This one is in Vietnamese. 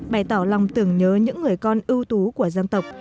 bày tỏ lòng tưởng nhớ những người con ưu tú của dân tộc